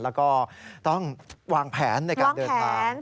แล้วก็ต้องวางแผนในการเดินทาง